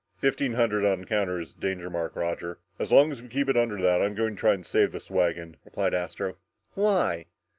"Fifteen hundred on the counter is the danger mark, Roger, and as long as we keep it under that, I'm going to try and save this wagon!" replied Astro. "Why?